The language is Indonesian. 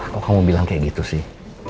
kok kamu bilang kayak gitu sih